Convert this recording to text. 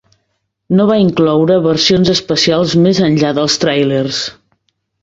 No va incloure versions especials més enllà dels tràilers.